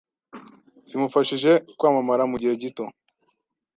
zimufashije kwamamara mugihe gito